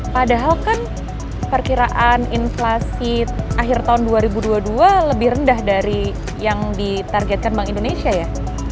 padahal kan perkiraan inflasi akhir tahun dua ribu dua puluh dua lebih rendah dari yang ditargetkan bank indonesia ya